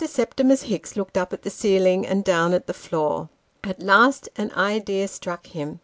Septimus Hicks looked up at the ceiling, and down at the floor ; at last an idea struck him.